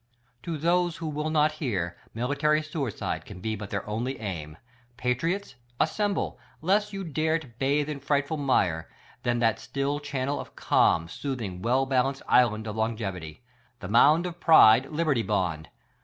To those who will not hear military suicide can but be their only aim. Patriots : Assemble, less 3'ou dare to bathe in frightful mire, to that still chan nel of calm, soothing, well balanced island of longevity : The mound of pride Liberty Bond